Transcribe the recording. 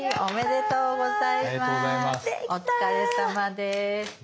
お疲れさまです。